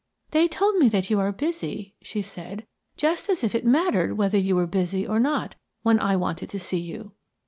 "They told me that you are busy," she said, "Just as if it mattered whether you were busy or not, when I wanted to see you."